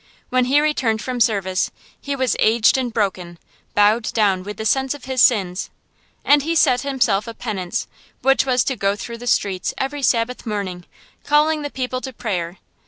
When he returned from service, he was aged and broken, bowed down with the sense of his sins. And he set himself a penance, which was to go through the streets every Sabbath morning, calling the people to prayer.